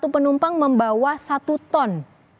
satu penumpang membawa satu ton